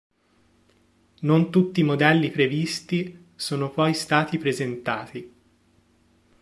Non tutti i modelli previsti sono poi stati presentati.